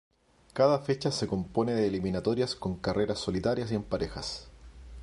Cada fecha se compone de eliminatorias con carreras solitarias y en parejas.